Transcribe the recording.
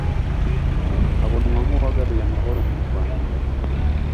abonwa nk'uwagaruye amahoro mu Rwanda